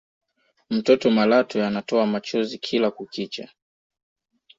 mtoto malatwe anatoa machozi kila kukicha